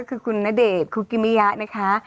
คือคุณณเดชน์คุกิมิยะนะคะ